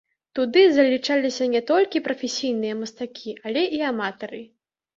Туды залічаліся не толькі прафесійныя мастакі, але і аматары.